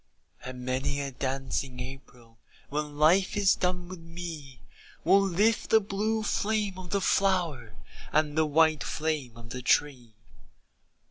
And many a dancing April When life is done with me, Will lift the blue flame of the flower And the white flame of the tree.